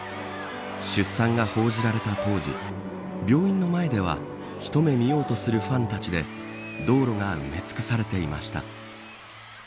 出産が報じられた当時病院の前では一目見ようとするファンたちで道路が埋め尽くされていました。